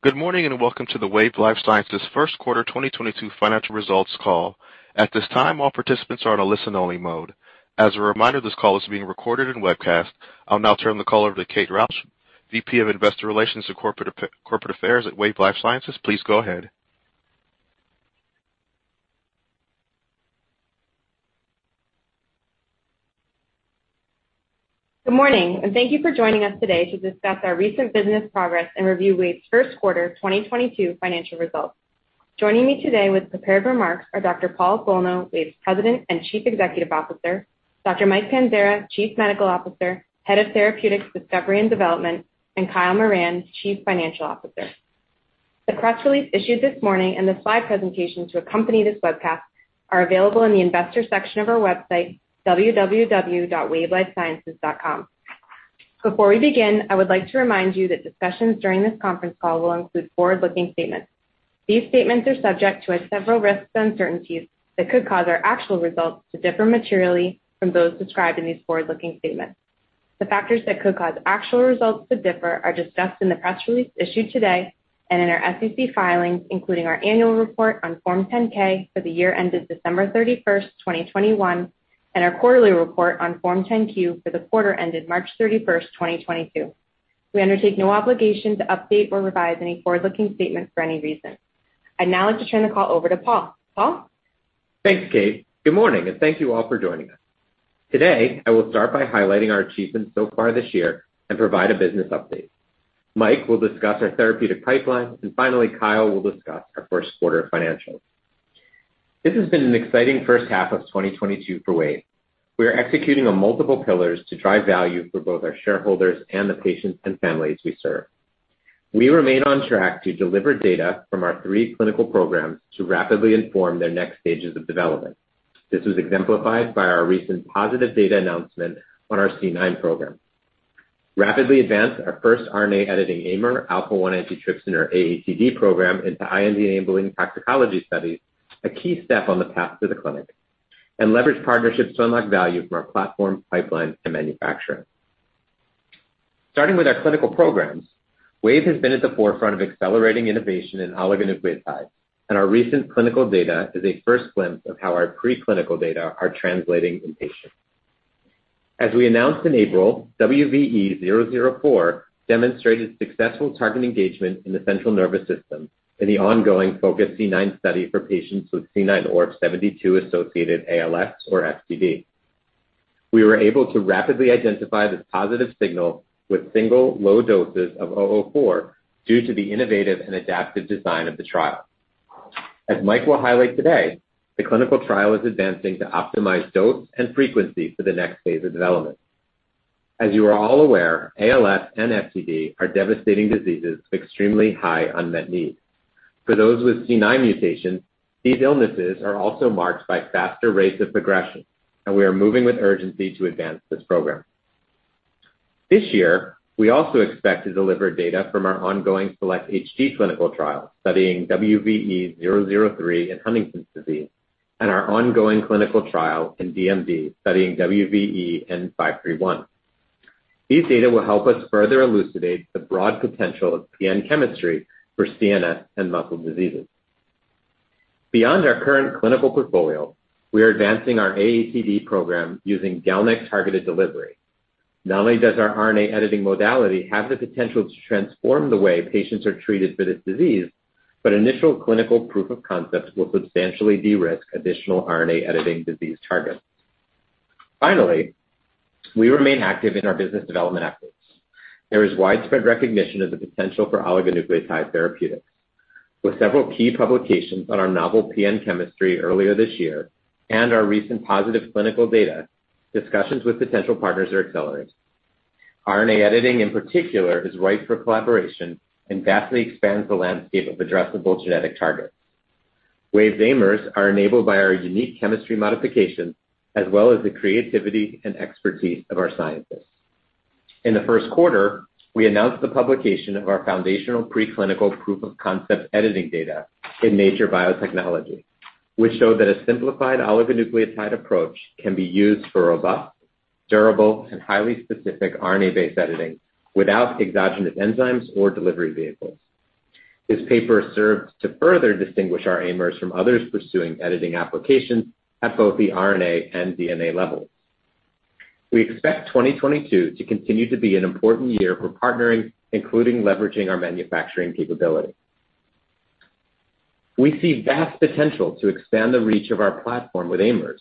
Good morning, and welcome to the Wave Life Sciences first quarter 2022 financial results call. At this time, all participants are on a listen-only mode. As a reminder, this call is being recorded and webcast. I'll now turn the call over to Kate Rausch, VP of Investor Relations and Corporate Affairs at Wave Life Sciences. Please go ahead. Good morning, and thank you for joining us today to discuss our recent business progress and review Wave's first quarter 2022 financial results. Joining me today with prepared remarks are Dr. Paul Bolno, Wave's President and Chief Executive Officer, Dr. Mike Panzara, Chief Medical Officer, Head of Therapeutics Discovery and Development, and Kyle Moran, Chief Financial Officer. The press release issued this morning and the slide presentation to accompany this webcast are available in the investors section of our website, www.wavelifesciences.com. Before we begin, I would like to remind you that discussions during this conference call will include forward-looking statements. These statements are subject to several risks and uncertainties that could cause our actual results to differ materially from those described in these forward-looking statements. The factors that could cause actual results to differ are discussed in the press release issued today and in our SEC filings, including our annual report on Form 10-K for the year ended December 31, 2021, and our quarterly report on Form 10-Q for the quarter ended March 31, 2022. We undertake no obligation to update or revise any forward-looking statements for any reason. I'd now like to turn the call over to Paul. Paul? Thanks, Kate. Good morning, and thank you all for joining us. Today, I will start by highlighting our achievements so far this year and provide a business update. Mike will discuss our therapeutic pipeline, and finally, Kyle will discuss our first quarter financials. This has been an exciting first half of 2022 for Wave. We are executing on multiple pillars to drive value for both our shareholders and the patients and families we serve. We remain on track to deliver data from our three clinical programs to rapidly inform their next stages of development. This was exemplified by our recent positive data announcement on our C9 program, rapidly advanced our first RNA editing AIMer, alpha-1 antitrypsin or AATD program into IND-enabling toxicology studies, a key step on the path to the clinic, and leverage partnerships to unlock value from our platform, pipeline, and manufacturing. Starting with our clinical programs, Wave has been at the forefront of accelerating innovation in oligonucleotide, and our recent clinical data is a first glimpse of how our preclinical data are translating in patients. As we announced in April, WVE-004 demonstrated successful target engagement in the central nervous system in the ongoing FOCUS-C9 study for patients with C9orf72-associated ALS or FTD. We were able to rapidly identify this positive signal with single low doses of WVE-004 due to the innovative and adaptive design of the trial. As Mike will highlight today, the clinical trial is advancing to optimize dose and frequency for the next phase of development. As you are all aware, ALS and FTD are devastating diseases with extremely high unmet need. For those with C9 mutations, these illnesses are also marked by faster rates of progression, and we are moving with urgency to advance this program. This year, we also expect to deliver data from our ongoing SELECT-HD clinical trial studying WVE-003 in Huntington's disease and our ongoing clinical trial in DMD studying WVE-N531. These data will help us further elucidate the broad potential of PN chemistry for CNS and muscle diseases. Beyond our current clinical portfolio, we are advancing our AATD program using GalNAc-targeted delivery. Not only does our RNA editing modality have the potential to transform the way patients are treated for this disease, but initial clinical proof of concept will substantially de-risk additional RNA editing disease targets. Finally, we remain active in our business development efforts. There is widespread recognition of the potential for oligonucleotide therapeutics. With several key publications on our novel PN chemistry earlier this year and our recent positive clinical data, discussions with potential partners are accelerating. RNA editing, in particular, is ripe for collaboration and vastly expands the landscape of addressable genetic targets. Wave's AIMers are enabled by our unique chemistry modifications as well as the creativity and expertise of our scientists. In the first quarter, we announced the publication of our foundational preclinical proof of concept editing data in Nature Biotechnology, which showed that a simplified oligonucleotide approach can be used for robust, durable, and highly specific RNA-based editing without exogenous enzymes or delivery vehicles. This paper serves to further distinguish our AIMers from others pursuing editing applications at both the RNA and DNA levels. We expect 2022 to continue to be an important year for partnering, including leveraging our manufacturing capability. We see vast potential to expand the reach of our platform with AIMers.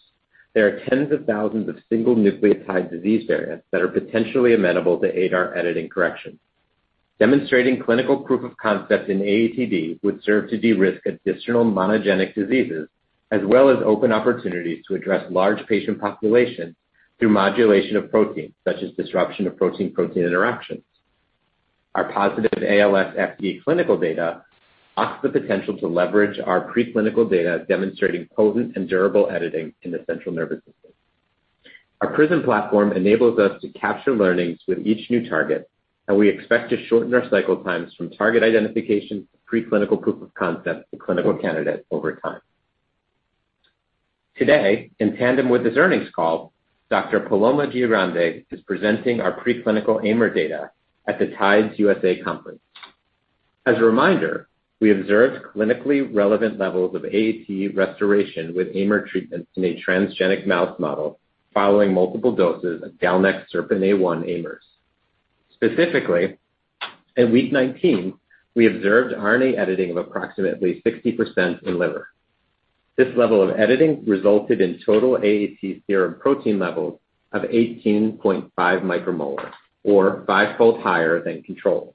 There are tens of thousands of single nucleotide disease variants that are potentially amenable to ADAR editing correction. Demonstrating clinical proof of concept in AATD would serve to de-risk additional monogenic diseases as well as open opportunities to address large patient populations through modulation of proteins such as disruption of protein-protein interactions. Our positive ALS/FTD clinical data unlocks the potential to leverage our preclinical data demonstrating potent and durable editing in the central nervous system. Our PRISM platform enables us to capture learnings with each new target, and we expect to shorten our cycle times from target identification to preclinical proof of concept to clinical candidate over time. Today, in tandem with this earnings call, Dr. Paloma Giangrande is presenting our preclinical AIMer data at the TIDES USA Conference. As a reminder, we observed clinically relevant levels of AAT restoration with AIMer treatment in a transgenic mouse model following multiple doses of GalNAc SERPINA1 AIMers. Specifically, in week 19, we observed RNA editing of approximately 60% in liver. This level of editing resulted in total AAT serum protein levels of 18.5 micromolar or five-fold higher than control.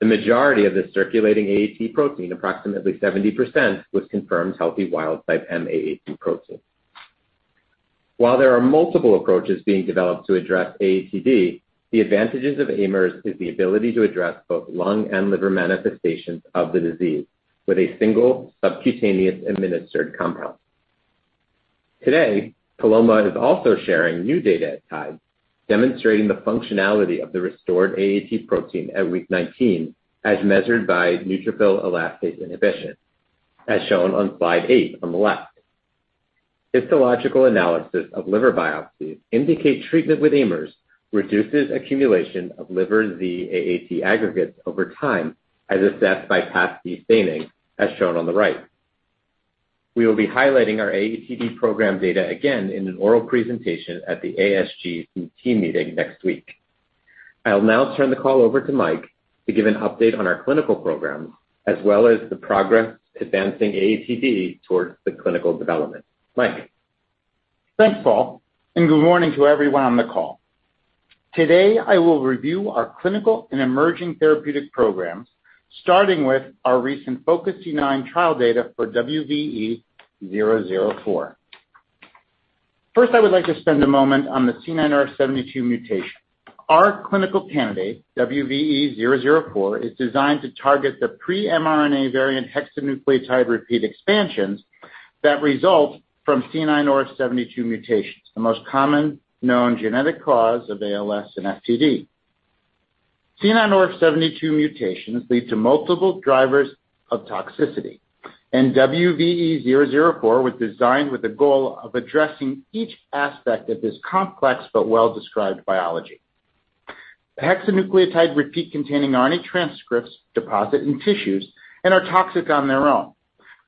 The majority of the circulating AAT protein, approximately 70%, was confirmed healthy wild-type M-AAT protein. While there are multiple approaches being developed to address AATD, the advantages of AIMers is the ability to address both lung and liver manifestations of the disease with a single subcutaneous administered compound. Today, Paloma is also sharing new data at TIDES, demonstrating the functionality of the restored AAT protein at week 19 as measured by neutrophil elastase inhibition, as shown on slide eight on the left. Histological analysis of liver biopsies indicate treatment with AIMers reduces accumulation of liver Z-AAT aggregates over time, as assessed by PAS-D staining, as shown on the right. We will be highlighting our AATD program data again in an oral presentation at the ASGCT meeting next week. I'll now turn the call over to Mike to give an update on our clinical program, as well as the progress advancing AATD towards the clinical development. Mike. Thanks, Paul, and good morning to everyone on the call. Today, I will review our clinical and emerging therapeutic programs, starting with our recent FOCUS-C9 trial data for WVE-004. First, I would like to spend a moment on the C9orf72 mutation. Our clinical candidate, WVE-004, is designed to target the pre-mRNA variant hexanucleotide repeat expansions that result from C9orf72 mutations, the most common known genetic cause of ALS and FTD. C9orf72 mutations lead to multiple drivers of toxicity, and WVE-004 was designed with the goal of addressing each aspect of this complex but well-described biology. The hexanucleotide repeat-containing RNA transcripts deposit in tissues and are toxic on their own.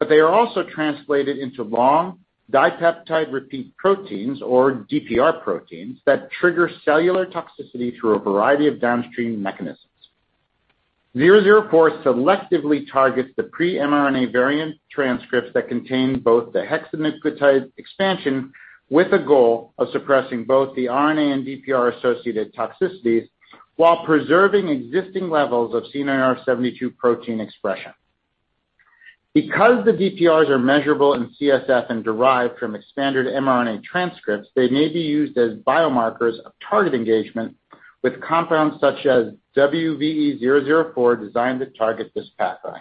They are also translated into long dipeptide repeat proteins, or DPR proteins, that trigger cellular toxicity through a variety of downstream mechanisms. WVE-004 selectively targets the pre-mRNA variant transcripts that contain both the hexanucleotide expansion with a goal of suppressing both the RNA and DPR-associated toxicities while preserving existing levels of C9orf72 protein expression. Because the DPRs are measurable in CSF and derived from expanded mRNA transcripts, they may be used as biomarkers of target engagement with compounds such as WVE-004 designed to target this pathway.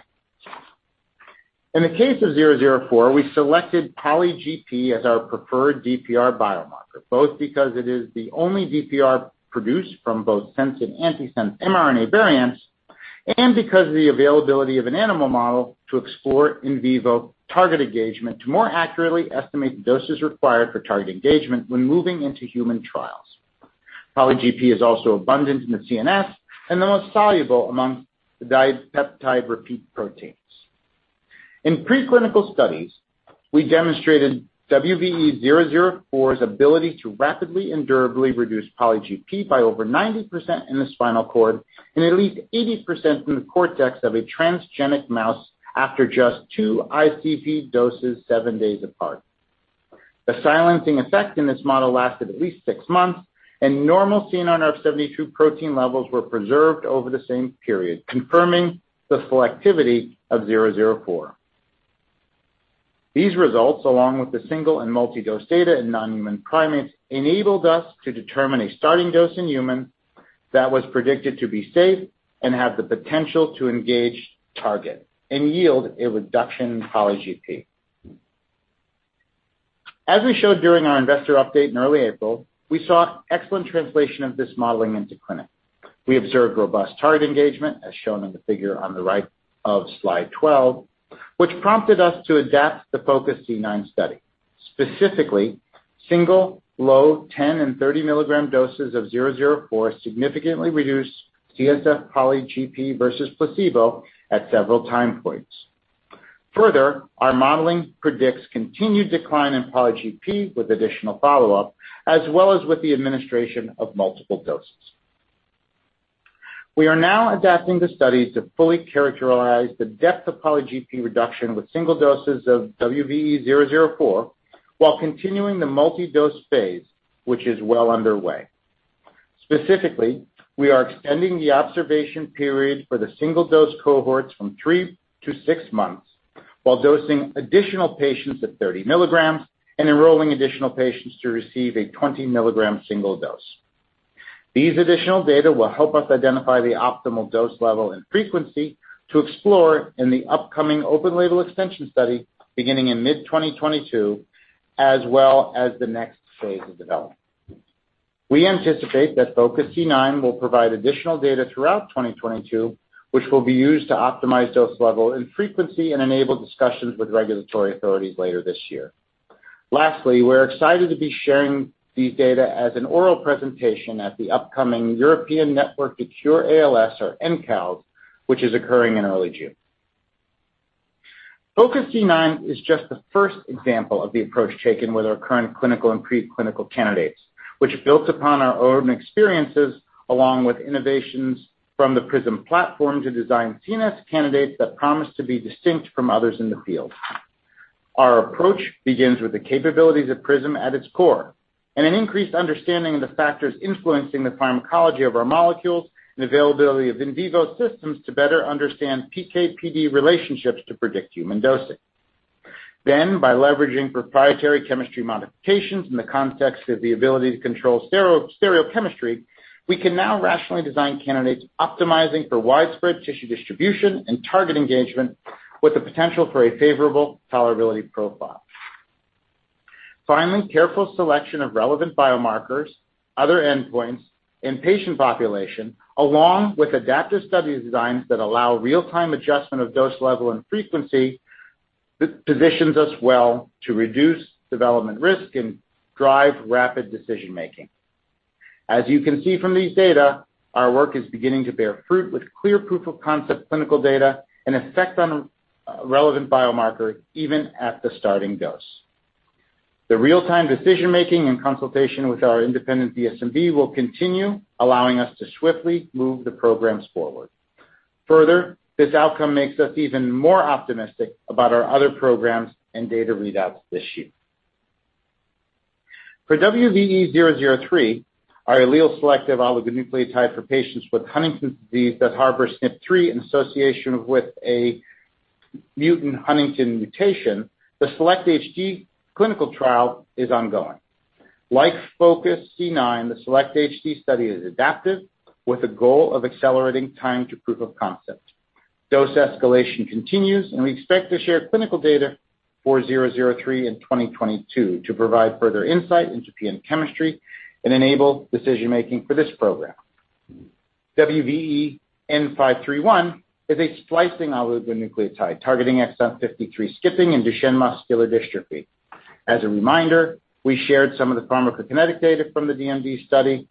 In the case of WVE-004, we selected poly(GP) as our preferred DPR biomarker, both because it is the only DPR produced from both sense and antisense mRNA variants and because of the availability of an animal model to explore in vivo target engagement to more accurately estimate the doses required for target engagement when moving into human trials. Poly(GP) is also abundant in the CNS and the most soluble among the dipeptide repeat proteins. In preclinical studies, we demonstrated WVE-004's ability to rapidly and durably reduce poly(GP) by over 90% in the spinal cord and at least 80% in the cortex of a transgenic mouse after just two ICV doses seven days apart. The silencing effect in this model lasted at least six months, and normal C9orf72 protein levels were preserved over the same period, confirming the selectivity of 004. These results, along with the single and multi-dose data in non-human primates, enabled us to determine a starting dose in humans that was predicted to be safe and have the potential to engage target and yield a reduction in poly(GP). As we showed during our investor update in early April, we saw excellent translation of this modeling into clinic. We observed robust target engagement, as shown in the figure on the right of slide 12, which prompted us to adapt the FOCUS-C9 study. Specifically, single low 10 mg and 30 mg doses of WVE-004 significantly reduced CSF poly(GP) versus placebo at several time points. Further, our modeling predicts continued decline in poly(GP) with additional follow-up, as well as with the administration of multiple doses. We are now adapting the studies to fully characterize the depth of poly(GP) reduction with single doses of WVE-004 while continuing the multi-dose phase, which is well underway. Specifically, we are extending the observation period for the single-dose cohorts from three months to six months while dosing additional patients at 30 mg and enrolling additional patients to receive a 20 mg single dose. These additional data will help us identify the optimal dose level and frequency to explore in the upcoming open label extension study beginning in mid-2022, as well as the next phase of development. We anticipate that FOCUS-C9 will provide additional data throughout 2022, which will be used to optimize dose level and frequency and enable discussions with regulatory authorities later this year. Lastly, we're excited to be sharing these data as an oral presentation at the upcoming European Network to Cure ALS, or ENCALS, which is occurring in early June. FOCUS-C9 is just the first example of the approach taken with our current clinical and pre-clinical candidates, which built upon our own experiences along with innovations from the PRISM platform to design CNS candidates that promise to be distinct from others in the field. Our approach begins with the capabilities of PRISM at its core, and an increased understanding of the factors influencing the pharmacology of our molecules and availability of in vivo systems to better understand PK/PD relationships to predict human dosing. By leveraging proprietary chemistry modifications in the context of the ability to control stereochemistry, we can now rationally design candidates optimizing for widespread tissue distribution and target engagement with the potential for a favorable tolerability profile. Finally, careful selection of relevant biomarkers, other endpoints, and patient population, along with adaptive study designs that allow real-time adjustment of dose level and frequency, positions us well to reduce development risk and drive rapid decision-making. As you can see from these data, our work is beginning to bear fruit with clear proof-of-concept clinical data and effect on relevant biomarkers even at the starting dose. The real-time decision-making and consultation with our independent DSMB will continue, allowing us to swiftly move the programs forward. Further, this outcome makes us even more optimistic about our other programs and data readouts this year. For WVE-003, our allele selective oligonucleotide for patients with Huntington's disease that harbor SNP3 in association with a mutant huntingtin mutation, the SELECT-HD clinical trial is ongoing. Like FOCUS-C9, the SELECT-HD study is adaptive, with the goal of accelerating time to proof of concept. Dose escalation continues, and we expect to share clinical data for WVE-003 in 2022 to provide further insight into PN chemistry and enable decision-making for this program. WVE-N531 is a splicing oligonucleotide targeting exon 53 skipping in Duchenne muscular dystrophy. As a reminder, we shared some of the pharmacokinetic data from the DMD study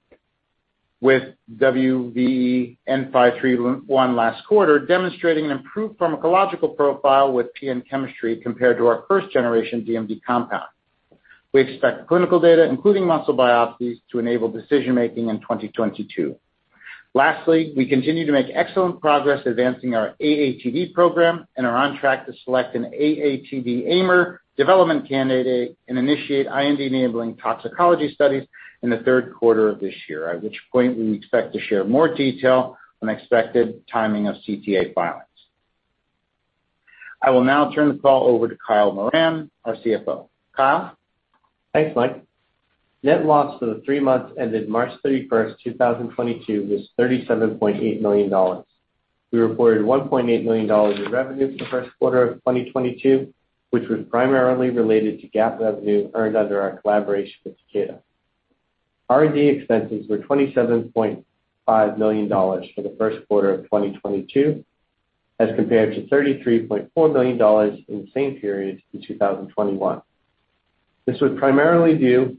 with WVE-N531 last quarter, demonstrating an improved pharmacological profile with PN chemistry compared to our first-generation DMD compound. We expect clinical data, including muscle biopsies, to enable decision-making in 2022. Lastly, we continue to make excellent progress advancing our AATD program and are on track to select an AATD AIMer development candidate and initiate IND-enabling toxicology studies in the third quarter of this year. At which point, we expect to share more detail on expected timing of CTA filings. I will now turn the call over to Kyle Moran, our CFO. Kyle? Thanks, Mike. Net loss for the three months ended March 31, 2022 was $37.8 million. We reported $1.8 million in revenue for the first quarter of 2022, which was primarily related to GAAP revenue earned under our collaboration with Takeda. R&D expenses were $27.5 million for the first quarter of 2022, as compared to $33.4 million in the same period in 2021. This was primarily due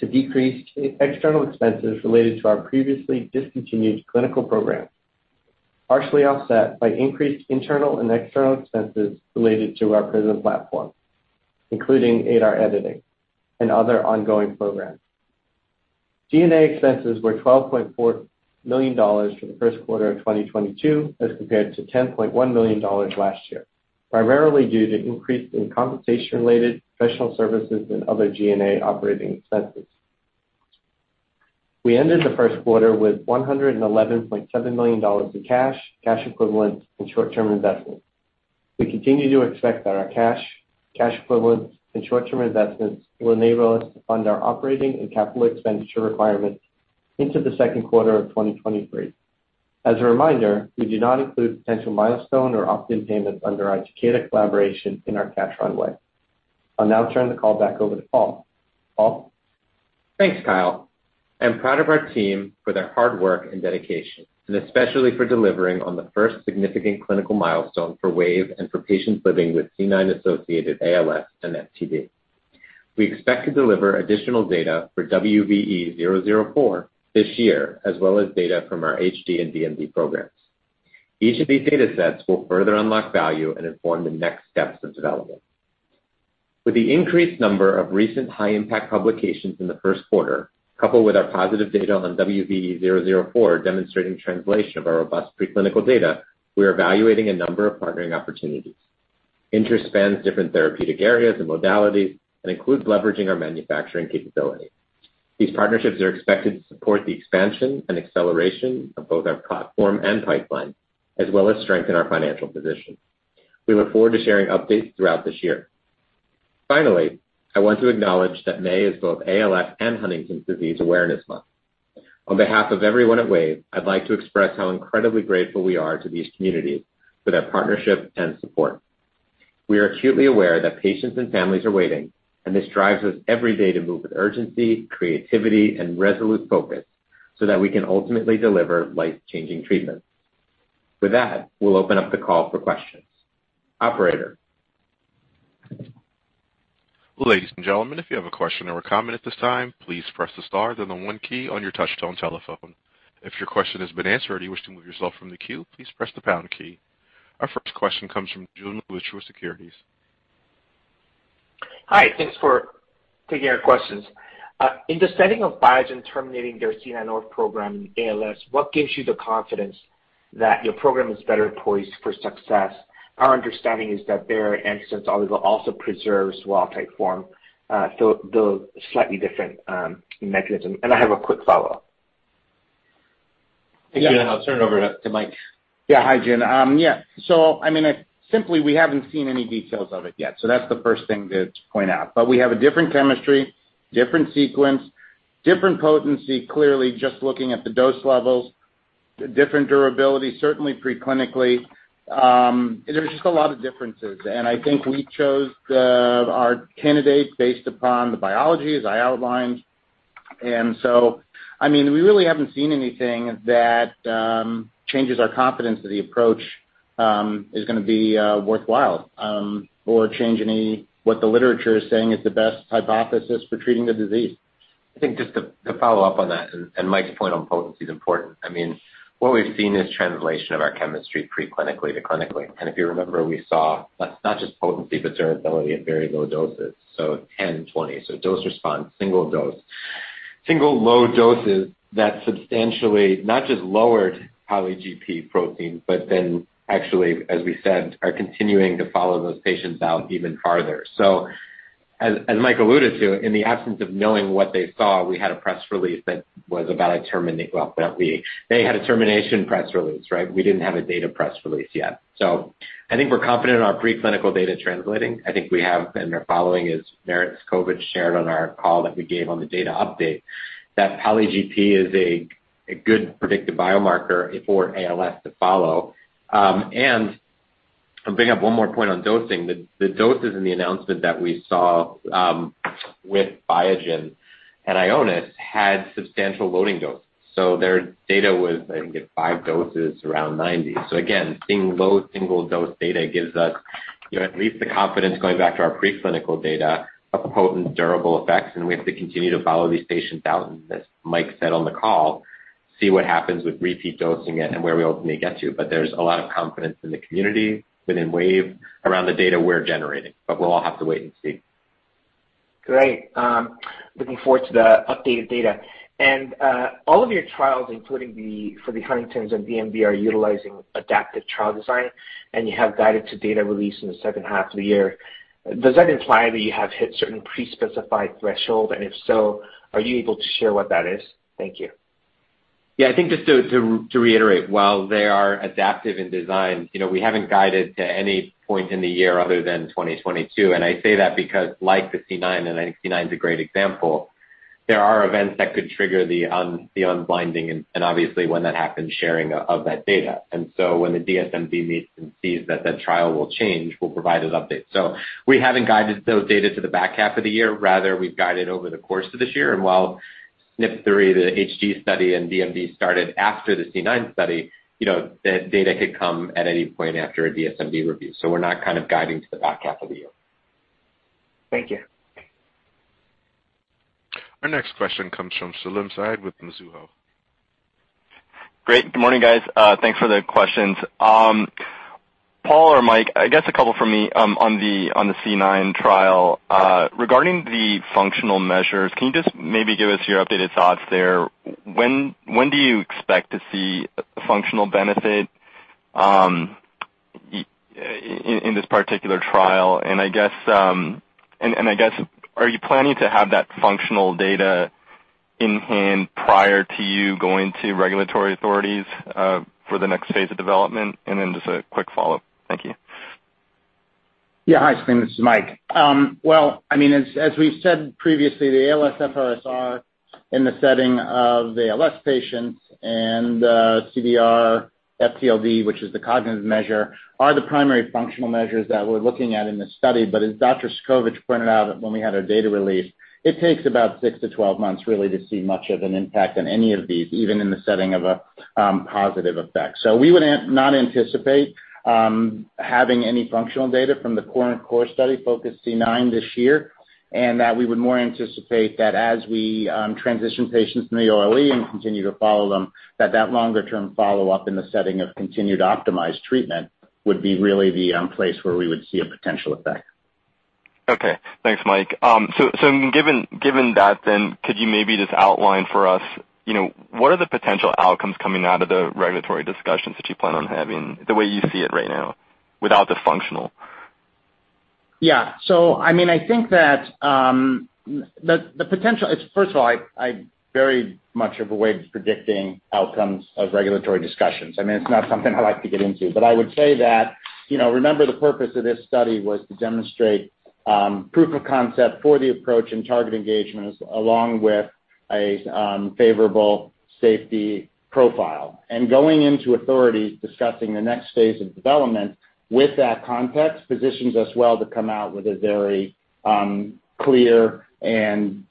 to decreased external expenses related to our previously discontinued clinical program, partially offset by increased internal and external expenses related to our PRISM platform, including ADAR editing and other ongoing programs. G&A expenses were $12.4 million for the first quarter of 2022, as compared to $10.1 million last year, primarily due to increase in compensation-related professional services and other G&A operating expenses. We ended the first quarter with $111.7 million in cash equivalents, and short-term investments. We continue to expect that our cash equivalents, and short-term investments will enable us to fund our operating and capital expenditure requirements into the second quarter of 2023. As a reminder, we do not include potential milestone or opt-in payments under our Takeda collaboration in our cash runway. I'll now turn the call back over to Paul. Paul? Thanks, Kyle. I'm proud of our team for their hard work and dedication, and especially for delivering on the first significant clinical milestone for Wave and for patients living with C9orf72-associated ALS and FTD. We expect to deliver additional data for WVE-004 this year, as well as data from our HD and DMD programs. Each of these datasets will further unlock value and inform the next steps of development. With the increased number of recent high-impact publications in the first quarter, coupled with our positive data on WVE-004 demonstrating translation of our robust preclinical data, we are evaluating a number of partnering opportunities. Interest spans different therapeutic areas and modalities and includes leveraging our manufacturing capability. These partnerships are expected to support the expansion and acceleration of both our platform and pipeline, as well as strengthen our financial position. We look forward to sharing updates throughout this year. Finally, I want to acknowledge that May is both ALS and Huntington's Disease Awareness Month. On behalf of everyone at Wave, I'd like to express how incredibly grateful we are to these communities for their partnership and support. We are acutely aware that patients and families are waiting, and this drives us every day to move with urgency, creativity, and resolute focus so that we can ultimately deliver life-changing treatments. With that, we'll open up the call for questions. Operator? Ladies and gentlemen, if you have a question or a comment at this time, please press the star, then the one key on your touch-tone telephone. If your question has been answered or you wish to move yourself from the queue, please press the pound key. Our first question comes from Joon Lee, Truist Securities. Hi. Thanks for taking our questions. In the setting of Biogen terminating their C9orf72 program in ALS, what gives you the confidence that your program is better poised for success? Our understanding is that their antisense also preserves wild-type form, so though slightly different, mechanism. I have a quick follow-up. Hey, Jun. I'll turn it over to Mike. Yeah. Hi, Jun. Yeah. I mean, simply, we haven't seen any details of it yet, so that's the first thing to point out. We have a different chemistry, different sequence, different potency, clearly, just looking at the dose levels, different durability, certainly preclinically. There's just a lot of differences. I think we chose our candidates based upon the biology, as I outlined. I mean, we really haven't seen anything that changes our confidence that the approach is gonna be worthwhile or change what the literature is saying is the best hypothesis for treating the disease. I think just to follow up on that, and Mike's point on potency is important. I mean, what we've seen is translation of our chemistry pre-clinically to clinically. If you remember, we saw not just potency, but durability at very low doses. 10, 20. Dose response, single dose. Single low doses that substantially not just lowered poly(GP) protein, but then actually, as we said, are continuing to follow those patients out even farther. As Mike alluded to, in the absence of knowing what they saw, well, they had a termination press release, right? We didn't have a data press release yet. I think we're confident in our preclinical data translating. I think we have, and are following, as Merit Cudkowicz shared on our call that we gave on the data update, that poly(GP) is a good predictive biomarker for ALS to follow. I'll bring up one more point on dosing. The doses in the announcement that we saw with Biogen and Ionis had substantial loading doses. Their data was, I think, it's 5 doses around 90. Again, seeing low single-dose data gives us, you know, at least the confidence, going back to our pre-clinical data, of the potent, durable effects, and we have to continue to follow these patients out, as Mike said on the call, see what happens with repeat dosing and where we ultimately get to. There's a lot of confidence in the community within Wave around the data we're generating, but we'll all have to wait and see. Great. Looking forward to the updated data. All of your trials, including the, for the Huntington's and DMD, are utilizing adaptive trial design, and you have guided to data release in the second half of the year. Does that imply that you have hit certain pre-specified threshold? If so, are you able to share what that is? Thank you. Yeah. I think just to reiterate, while they are adaptive in design, you know, we haven't guided to any point in the year other than 2022. I say that because like the C9, and I think C9 is a great example, there are events that could trigger the unblinding and obviously when that happens, sharing of that data. When the DSMB meets and sees that trial will change, we'll provide an update. We haven't guided those data to the back half of the year. Rather, we've guided over the course of this year. While SNP3, the HD study, and DMD started after the C9 study, you know, the data could come at any point after a DSMB review, so we're not kind of guiding to the back half of the year. Thank you. Our next question comes from Salim Syed with Mizuho. Great. Good morning, guys. Thanks for the questions. Paul or Mike, I guess a couple from me on the C9 trial. Regarding the functional measures, can you just maybe give us your updated thoughts there? When do you expect to see functional benefit in this particular trial? I guess are you planning to have that functional data in hand prior to you going to regulatory authorities for the next phase of development? Just a quick follow-up. Thank you. Yeah. Hi, Salim, this is Mike. Well, I mean, as we've said previously, the ALSFRS-R in the setting of the ALS patients and CDR-FTLD, which is the cognitive measure, are the primary functional measures that we're looking at in this study. But as Dr. Cudkowicz pointed out when we had our data release, it takes about six months to 12 months, really, to see much of an impact on any of these, even in the setting of a positive effect. We would not anticipate having any functional data from the current core study, FOCUS-C9, this year, and that we would more anticipate that as we transition patients from the OLE and continue to follow them, that longer-term follow-up in the setting of continued optimized treatment would be really the place where we would see a potential effect. Okay. Thanks, Mike. Given that then, could you maybe just outline for us, you know, what are the potential outcomes coming out of the regulatory discussions that you plan on having, the way you see it right now without the functional? Yeah. First of all, I very much avoid predicting outcomes of regulatory discussions. I mean, it's not something I like to get into. I would say that, you know, remember the purpose of this study was to demonstrate proof of concept for the approach and target engagements, along with a favorable safety profile. Going into authorities discussing the next phase of development with that context positions us well to come out with a very clear and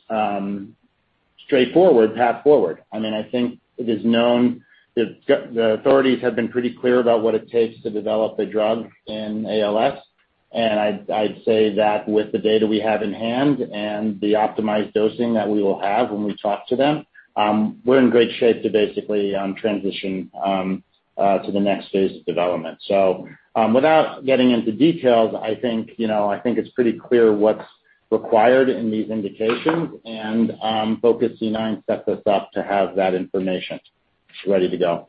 straightforward path forward. I mean, I think it is known the authorities have been pretty clear about what it takes to develop a drug in ALS, and I'd say that with the data we have in hand and the optimized dosing that we will have when we talk to them, we're in great shape to basically transition to the next phase of development. Without getting into details, I think, you know, I think it's pretty clear what's required in these indications, and FOCUS-C9 sets us up to have that information ready to go.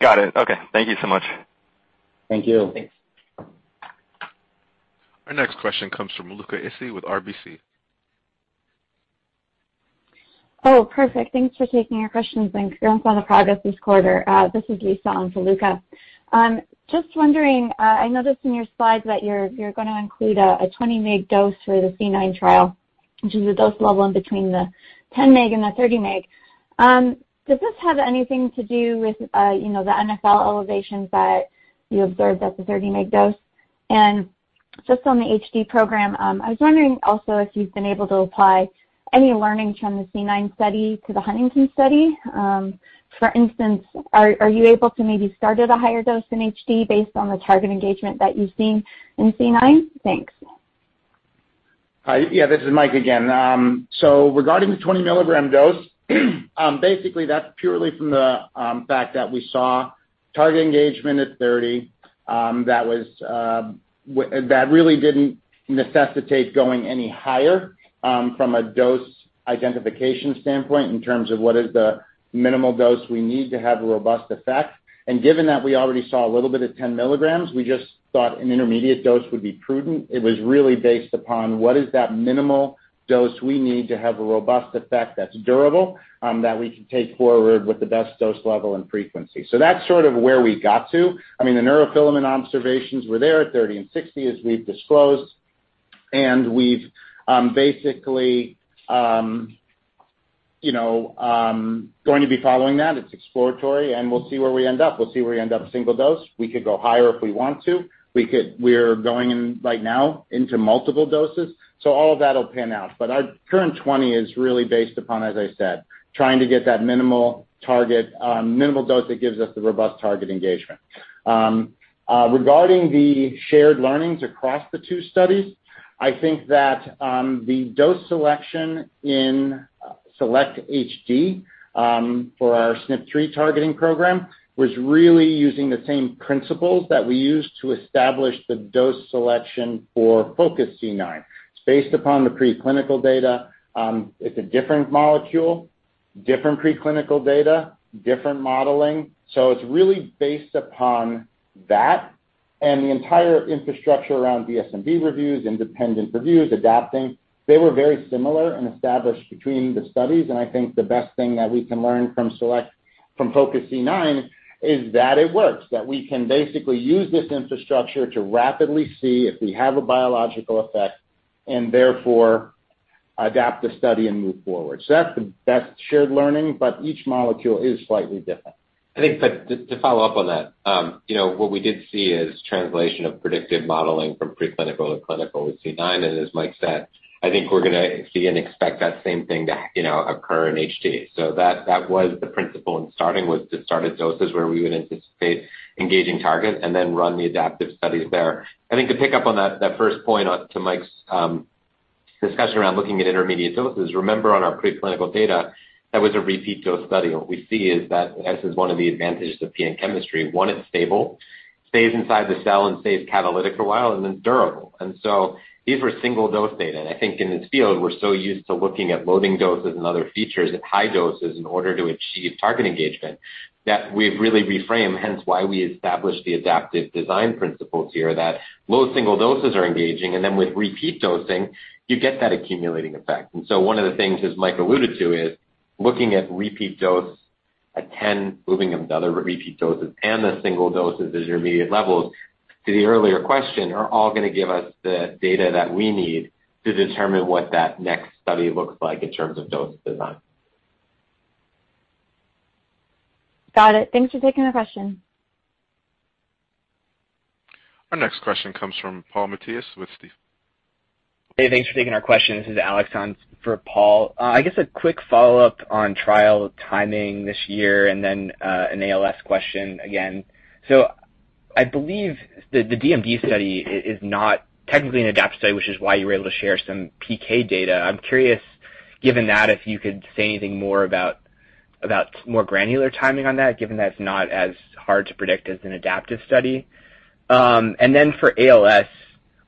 Got it. Okay. Thank you so much. Thank you. Thanks. Our next question comes from Luca Issi with RBC. Oh, perfect. Thanks for taking our questions and congrats on the progress this quarter. This is Lisa in for Luca. Just wondering, I noticed in your slides that you're gonna include a 20 mg dose for the C9 trial, which is a dose level in between the 10 mg and the 30 mg. Does this have anything to do with, you know, the NfL elevations that you observed at the 30 mg dose? Just on the HD program, I was wondering also if you've been able to apply any learnings from the C9 study to the huntingtin study. For instance, are you able to maybe start at a higher dose in HD based on the target engagement that you've seen in C9? Thanks. Hi. Yeah, this is Mike again. Regarding the 20 mg dose, basically that's purely from the fact that we saw target engagement at 30 mg, that really didn't necessitate going any higher, from a dose identification standpoint in terms of what is the minimal dose we need to have a robust effect. Given that we already saw a little bit at 10 mg, we just thought an intermediate dose would be prudent. It was really based upon what is that minimal dose we need to have a robust effect that's durable, that we can take forward with the best dose level and frequency. That's sort of where we got to. I mean, the neurofilament observations were there at 30 and 60, as we've disclosed. We've basically, you know, going to be following that. It's exploratory, and we'll see where we end up single dose. We could go higher if we want to. We're going in right now into multiple doses. All of that'll pan out. Our current 20 is really based upon, as I said, trying to get that minimal target, minimal dose that gives us the robust target engagement. Regarding the shared learnings across the two studies, I think that the dose selection in SELECT-HD for our SNP3 targeting program was really using the same principles that we used to establish the dose selection for FOCUS-C9. It's based upon the preclinical data. It's a different molecule, different preclinical data, different modeling. It's really based upon that and the entire infrastructure around DSMB reviews, independent reviews, adapting. They were very similar and established between the studies, and I think the best thing that we can learn from FOCUS-C9 is that it works, that we can basically use this infrastructure to rapidly see if we have a biological effect and therefore adapt the study and move forward. That's the best shared learning, but each molecule is slightly different. I think to follow up on that, you know, what we did see is translation of predictive modeling from preclinical to clinical with C9. As Mike said, I think we're gonna see and expect that same thing to, you know, occur in HD. That was the principle in starting was to start at doses where we would anticipate engaging targets and then run the adaptive studies there. I think to pick up on that first point onto Mike's discussion around looking at intermediate doses, remember on our preclinical data, that was a repeat dose study. What we see is that this is one of the advantages of PN chemistry. One, it's stable, stays inside the cell and stays catalytic for a while and then durable. These were single dose data. I think in this field, we're so used to looking at loading doses and other features at high doses in order to achieve target engagement that we've really reframed, hence why we established the adaptive design principles here that low single doses are engaging. With repeat dosing, you get that accumulating effect. One of the things, as Mike alluded to, is looking at repeat dose at 10, moving them to other repeat doses and the single doses as your immediate levels to the earlier question are all gonna give us the data that we need to determine what that next study looks like in terms of dose design. Got it. Thanks for taking the question. Our next question comes from Paul Matteis with Stifel. Hey, thanks for taking our question. This is Alex on for Paul. I guess a quick follow-up on trial timing this year and then an ALS question again. I believe the DMD study is not technically an adaptive study, which is why you were able to share some PK data. I'm curious, given that, if you could say anything more about more granular timing on that, given that it's not as hard to predict as an adaptive study. For ALS,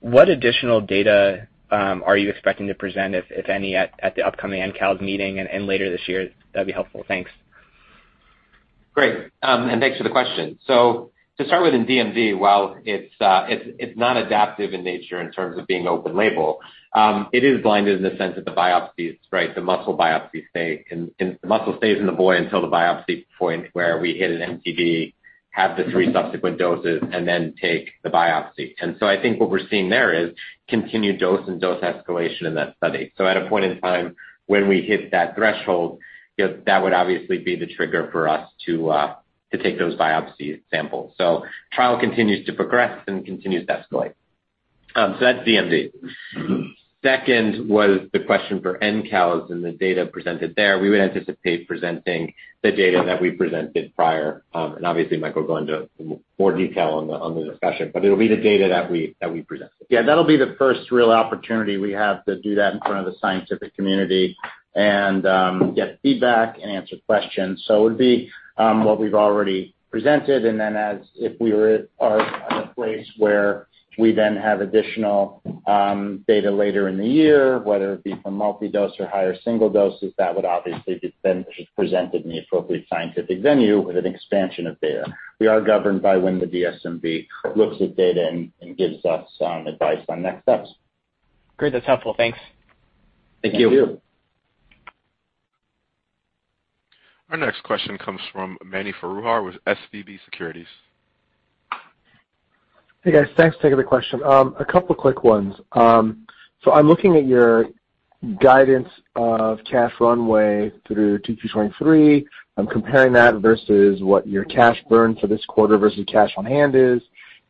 what additional data are you expecting to present if any at the upcoming ENCALS meeting and later this year? That'd be helpful. Thanks. Great. Thanks for the question. To start with in DMD, while it's not adaptive in nature in terms of being open label, it is blinded in the sense that the biopsies, right, the muscle biopsies stay in the body until the biopsy point where we hit an MTD, have the three subsequent doses and then take the biopsy. I think what we're seeing there is continued dose escalation in that study. At a point in time when we hit that threshold, that would obviously be the trigger for us to take those biopsy samples. Trial continues to progress and continues to escalate. That's DMD. Second was the question for ENCALS and the data presented there. We would anticipate presenting the data that we presented prior, and obviously, Mike will go into more detail on the discussion, but it'll be the data that we presented. Yeah, that'll be the first real opportunity we have to do that in front of the scientific community and get feedback and answer questions. It would be what we've already presented, and then as if we are at a place where we then have additional data later in the year, whether it be from multi-dose or higher single doses, that would obviously be then presented in the appropriate scientific venue with an expansion of data. We are governed by when the DSMB looks at data and gives us advice on next steps. Great. That's helpful. Thanks. Thank you. Thank you. Our next question comes from Mani Foroohar with SVB Securities. Hey, guys. Thanks for taking the question. A couple quick ones. So I'm looking at your guidance of cash runway through 2023. I'm comparing that versus what your cash burn for this quarter versus cash on hand is.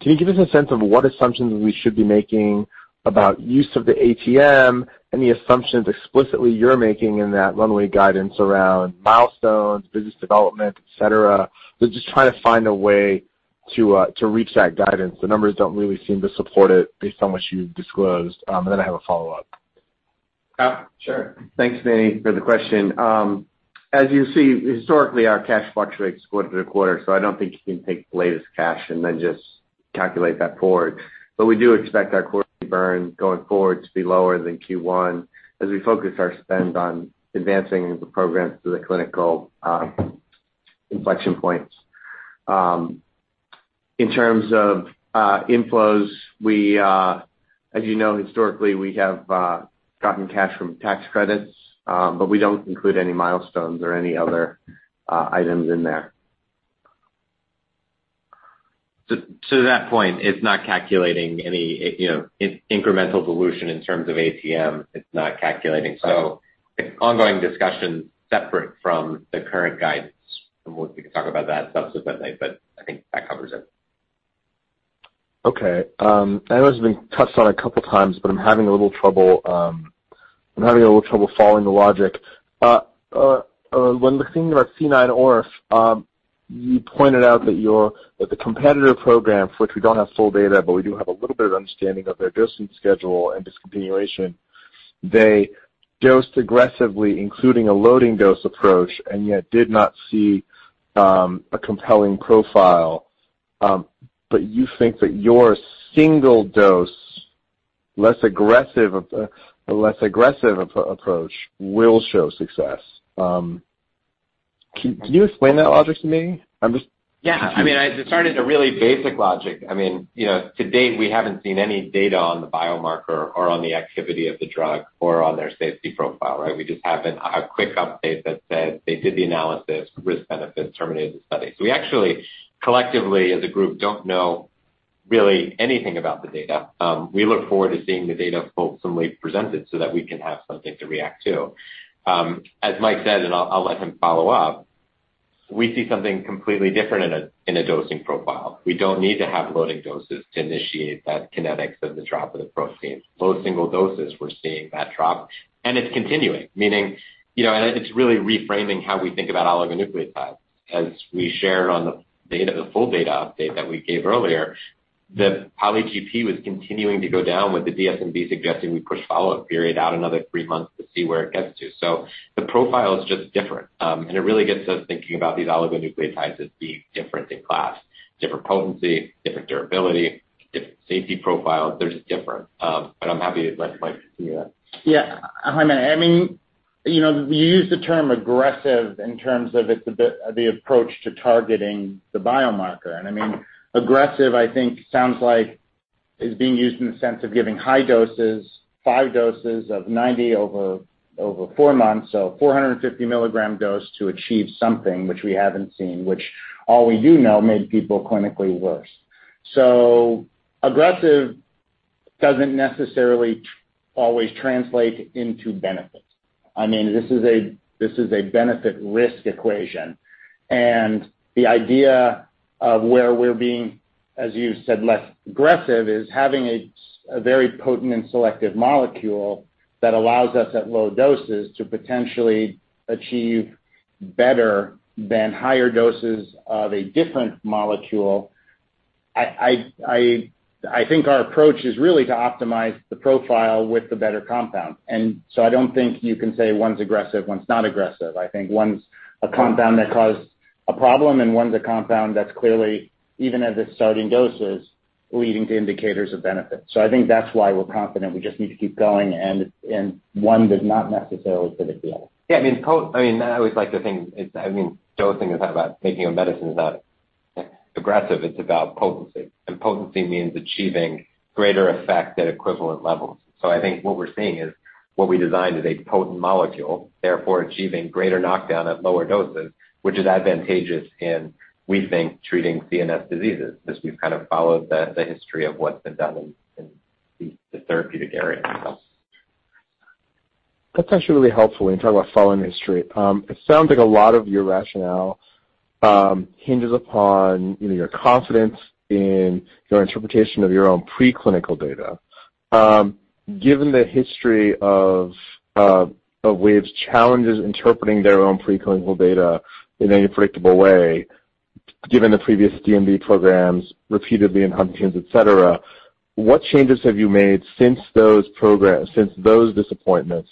Can you give us a sense of what assumptions we should be making about use of the ATM, any assumptions explicitly you're making in that runway guidance around milestones, business development, et cetera? We're just trying to find a way to reach that guidance. The numbers don't really seem to support it based on what you've disclosed. And then I have a follow-up. Sure. Thanks, Mani, for the question. As you see, historically, our cash fluctuates quarter to quarter, so I don't think you can take the latest cash and then just calculate that forward. We do expect our quarterly burn going forward to be lower than Q1 as we focus our spend on advancing the programs through the clinical inflection points. In terms of inflows, we, as you know, historically, we have gotten cash from tax credits, but we don't include any milestones or any other items in there. To that point, it's not calculating any, you know, incremental dilution in terms of ATM. It's not calculating. It's ongoing discussion separate from the current guidance, and we can talk about that subsequently, but I think that covers it. Okay. I know this has been touched on a couple times, but I'm having a little trouble following the logic. When looking at C9orf72, you pointed out that the competitor programs, which we don't have full data, but we do have a little bit of understanding of their dosing schedule and discontinuation, they dosed aggressively, including a loading dose approach, and yet did not see a compelling profile. You think that your single dose, less aggressive approach will show success. Can you explain that logic to me? Yeah. I mean, it started a really basic logic. I mean, you know, to date, we haven't seen any data on the biomarker or on the activity of the drug or on their safety profile, right? We just have a quick update that said they did the analysis, risk benefits, terminated the study. We actually, collectively as a group, don't know really anything about the data. We look forward to seeing the data hopefully presented so that we can have something to react to. As Mike said, and I'll let him follow up, we see something completely different in dosing profile. We don't need to have loading doses to initiate that kinetics of the drop of the proteins. Both single doses, we're seeing that drop, and it's continuing. Meaning, you know, and it's really reframing how we think about oligonucleotides. As we shared on the data, the full data update that we gave earlier, the poly(GP) was continuing to go down with the DSMB suggesting we push follow-up period out another three months to see where it gets to. The profile is just different, and it really gets us thinking about these oligonucleotides as being different in class, different potency, different durability, different safety profiles. They're just different. I'm happy to let Mike continue that. Yeah. Hi, Mani. I mean, you know, you use the term aggressive in terms of it's a bit the approach to targeting the biomarker. I mean, aggressive, I think sounds like is being used in the sense of giving high doses, 5 doses of 90 over four months, so 450 mg dose to achieve something which we haven't seen, which all we do know made people clinically worse. Aggressive doesn't necessarily always translate into benefits. I mean, this is a benefit risk equation. The idea of where we're being, as you said, less aggressive, is having a very potent and selective molecule that allows us at low doses to potentially achieve better than higher doses of a different molecule. I think our approach is really to optimize the profile with the better compound. I don't think you can say one's aggressive, one's not aggressive. I think one's a compound that caused a problem, and one's a compound that's clearly, even at the starting doses, leading to indicators of benefit. I think that's why we're confident we just need to keep going and one does not necessarily fit with the other. I mean, I always like to think it's dosing is not about making a medicine that aggressive. It's about potency. Potency means achieving greater effect at equivalent levels. I think what we're seeing is what we designed is a potent molecule, therefore achieving greater knockdown at lower doses, which is advantageous in, we think, treating CNS diseases, as we've kind of followed the history of what's been done in the therapeutic area itself. That's actually really helpful when you talk about following history. It sounds like a lot of your rationale hinges upon, you know, your confidence in your interpretation of your own preclinical data. Given the history of Wave's challenges interpreting their own preclinical data in a predictable way, given the previous DMD programs repeatedly in Huntington's, et cetera, what changes have you made since those disappointments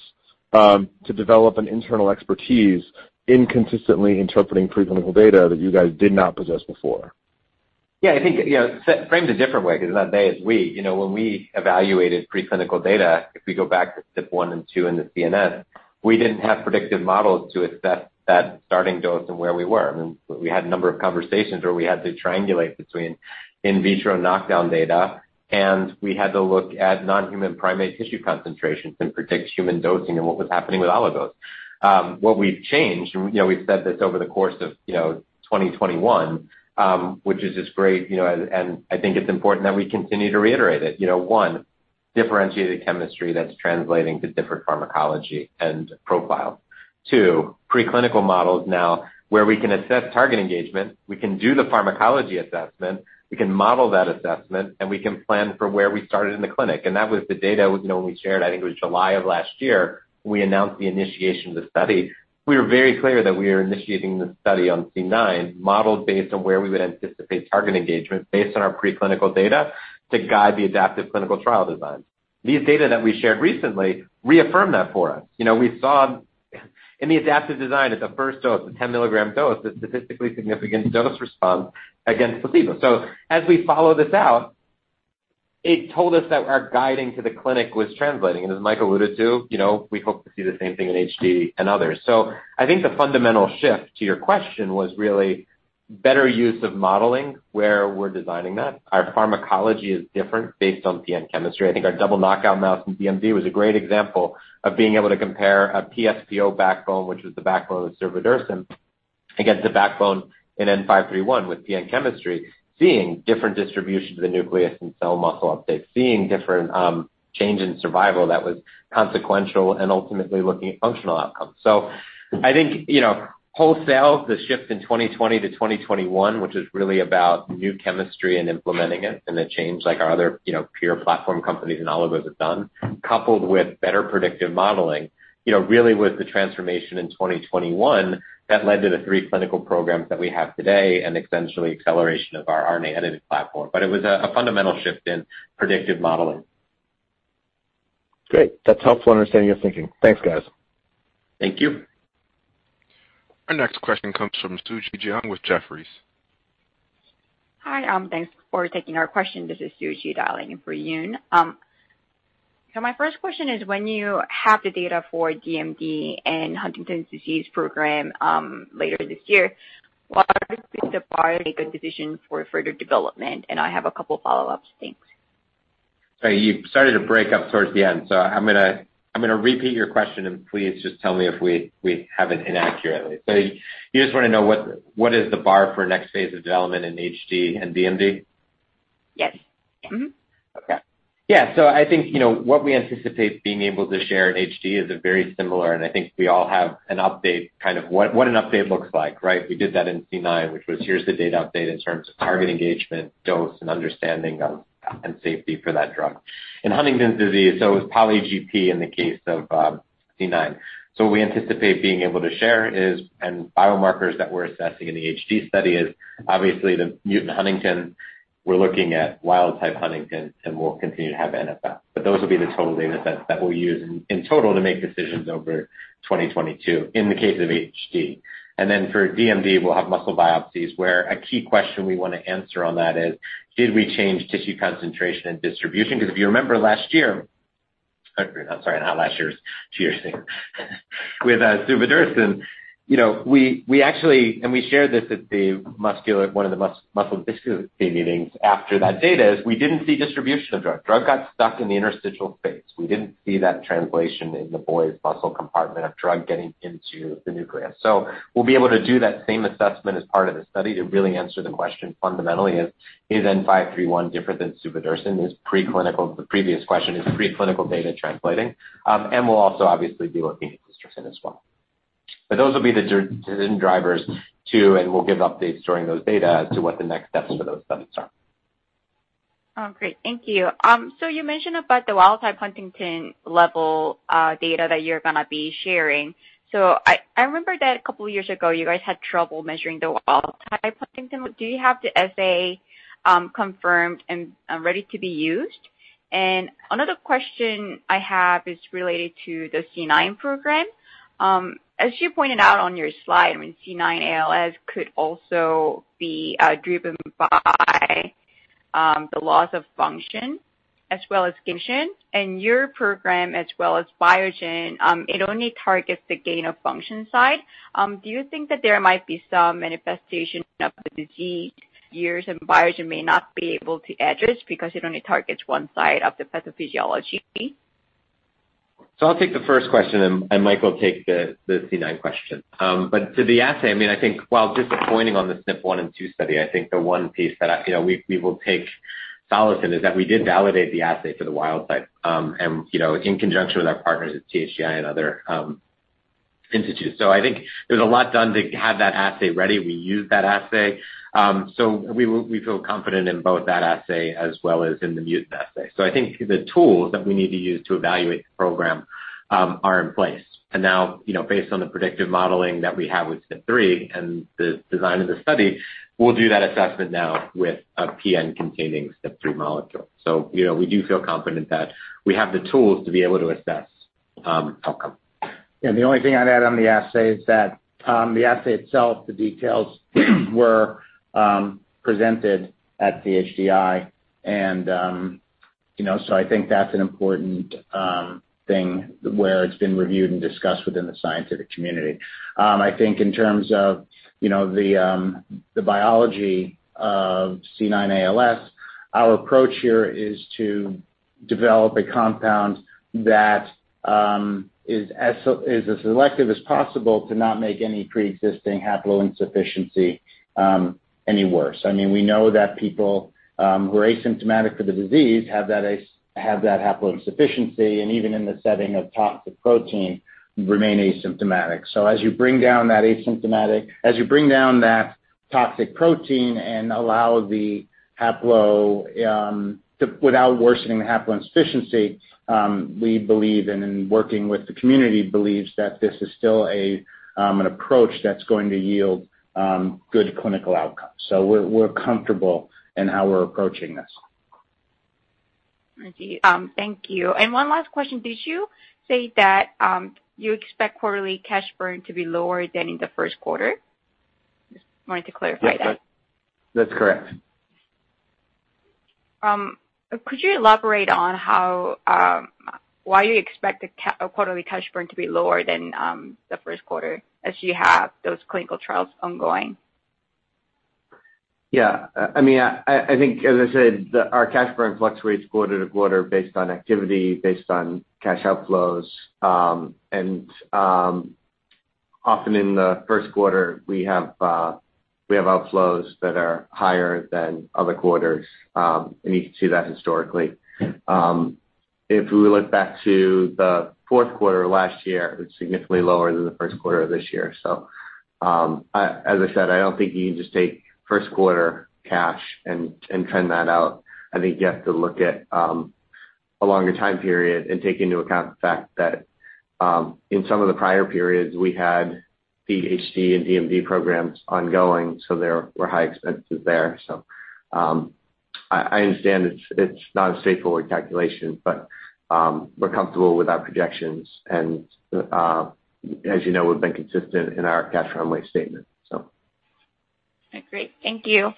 to develop an internal expertise in consistently interpreting preclinical data that you guys did not possess before? Yeah, I think, you know, framed a different way because it's not they, it's we. You know, when we evaluated preclinical data, if we go back to step one and two in the CNS, we didn't have predictive models to assess that starting dose and where we were. I mean, we had a number of conversations where we had to triangulate between in vitro knockdown data, and we had to look at non-human primate tissue concentrations and predict human dosing and what was happening with all of those. What we've changed, and you know, we've said this over the course of, you know, 2021, which is just great, you know, and I think it's important that we continue to reiterate it. You know, one, differentiated chemistry that's translating to different pharmacology and profile. In two preclinical models now where we can assess target engagement, we can do the pharmacology assessment, we can model that assessment, and we can plan for where we started in the clinic. That was the data when, you know, when we shared, I think it was July of last year, we announced the initiation of the study. We were very clear that we are initiating this study on C9 model based on where we would anticipate target engagement based on our preclinical data to guide the adaptive clinical trial design. These data that we shared recently reaffirmed that for us. You know, we saw in the adaptive design at the first dose, the 10 mg dose, the statistically significant dose response against placebo. As we follow this out, it told us that our guidance to the clinic was translating. As Mike alluded to, you know, we hope to see the same thing in HD and others. I think the fundamental shift to your question was really better use of modeling, where we're designing that. Our pharmacology is different based on PN chemistry. I think our double knockout mouse in DMD was a great example of being able to compare a PS/PO backbone, which is the backbone of suvodirsen, against the backbone in N-531 with PN chemistry, seeing different distribution to the nucleus and skeletal muscle uptake, seeing different change in survival that was consequential and ultimately looking at functional outcomes. I think, you know, wholesale, the shift in 2020-2021, which is really about new chemistry and implementing it and the change like our other, you know, peer platform companies and all of those have done, coupled with better predictive modeling, you know, really was the transformation in 2021 that led to the three clinical programs that we have today and essentially acceleration of our RNA editing platform. It was a fundamental shift in predictive modeling. Great. That's helpful understanding your thinking. Thanks, guys. Thank you. Our next question comes from Suji Jeong with Jefferies. Hi. Thanks for taking our question. This is Suji dialing in for Yoon. My first question is when you have the data for DMD and Huntington's disease program, later this year, what is the bar to make a decision for further development? I have a couple follow-ups. Thanks. Sorry. You started to break up towards the end. I'm gonna repeat your question and please just tell me if we have it inaccurately. You just want to know what is the bar for next phase of development in HD and DMD? Yes. Mm-hmm. Okay. Yeah. I think, you know, what we anticipate being able to share in HD is a very similar, and I think we all have an update, kind of what an update looks like, right? We did that in C9, which was here's the data update in terms of target engagement, dose, and understanding of, and safety for that drug. In Huntington's disease, it was poly(GP) in the case of C9. What we anticipate being able to share is, and biomarkers that we're assessing in the HD study is obviously the mutant huntingtin. We're looking at wild-type huntingtin, and we'll continue to have NfL. But those will be the total data sets that we'll use in total to make decisions over 2022 in the case of HD. For DMD, we'll have muscle biopsies where a key question we wanna answer on that is did we change tissue concentration and distribution? Because if you remember last year, sorry, not last year's, two years ago with suvodirsen. You know, we actually, and we shared this at one of the muscle disease meetings after that data, is we didn't see distribution of drug. Drug got stuck in the interstitial phase. We didn't see that translation in the boys' muscle compartment of drug getting into the nucleus. We'll be able to do that same assessment as part of the study to really answer the question fundamentally is N-531 different than suvodirsen? Is preclinical data translating? And we'll also obviously be looking at dystrophin as well. Those will be the decision drivers too, and we'll give updates during those data as to what the next steps for those studies are. Oh, great. Thank you. You mentioned about the wild-type huntingtin level data that you're gonna be sharing. I remember that a couple years ago you guys had trouble measuring the wild-type huntingtin. Do you have the assay confirmed and ready to be used? Another question I have is related to the C9 program. As you pointed out on your slide, I mean, C9 ALS could also be driven by the loss of function as well as gain of function. Your program as well as Biogen it only targets the gain of function side. Do you think that there might be some manifestation of the disease years and Biogen may not be able to address because it only targets one side of the pathophysiology? I'll take the first question, and Mike will take the C9 question. To the assay, I mean, I think while disappointing on the SNP1 and 2 study, I think the one piece that you know, we will take solace in is that we did validate the assay for the wild type, and you know, in conjunction with our partners at CHDI and other institutes. I think there's a lot done to have that assay ready. We use that assay. We feel confident in both that assay as well as in the mutant assay. I think the tools that we need to use to evaluate the program are in place. Now, you know, based on the predictive modeling that we have with SNP3 and the design of the study, we'll do that assessment now with a PN containing SNP3 molecule. You know, we do feel confident that we have the tools to be able to assess outcome. Yeah. The only thing I'd add on the assay is that the assay itself, the details were presented at CHDI, and you know I think that's an important thing where it's been reviewed and discussed within the scientific community. I think in terms of you know the biology of C9 ALS, our approach here is to develop a compound that is as selective as possible to not make any preexisting haploinsufficiency any worse. I mean, we know that people who are asymptomatic for the disease have that haploinsufficiency, and even in the setting of toxic protein remain asymptomatic. As you bring down that asymptomatic as you bring down that toxic protein and allow the haplo without worsening the haploinsufficiency, we believe and in working with the community believes that this is still an approach that's going to yield good clinical outcomes. We're comfortable in how we're approaching this. I see. Thank you. One last question. Did you say that you expect quarterly cash burn to be lower than in the first quarter? Just wanted to clarify that. Yes, that's correct. Could you elaborate on how, why you expect the quarterly cash burn to be lower than the first quarter as you have those clinical trials ongoing? Yeah. I mean, I think as I said, our cash burn fluctuates quarter to quarter based on activity, based on cash outflows. Often in the first quarter, we have outflows that are higher than other quarters, and you can see that historically. If we look back to the fourth quarter last year, it was significantly lower than the first quarter of this year. As I said, I don't think you can just take first quarter cash and trend that out. I think you have to look at a longer time period and take into account the fact that in some of the prior periods, we had HD and DMD programs ongoing, so there were high expenses there. I understand it's not a straightforward calculation, but we're comfortable with our projections and, as you know, we've been consistent in our cash runway statement. Okay, great. Thank you.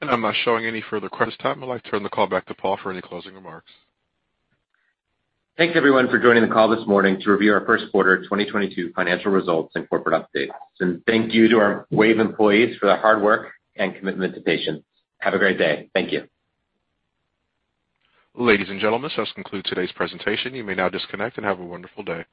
I'm not showing any further questions at this time. I'd like to turn the call back to Paul for any closing remarks. Thanks, everyone, for joining the call this morning to review our first quarter 2022 financial results and corporate updates. Thank you to our Wave employees for their hard work and commitment to patients. Have a great day. Thank you. Ladies and gentlemen, this does conclude today's presentation. You may now disconnect and have a wonderful day.